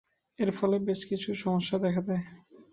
এর ফলে বেশ কিছু সমস্যা দেখা দেয়।